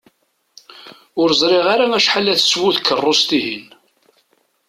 Ur ẓriɣ ara acḥal ara teswu tkerrust-ihin.